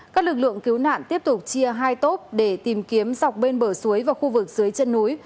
các lực lượng cứu nạn tiếp tục chia hai tốp để tìm kiếm dọc bên bờ suối và khu vực dưới chân núi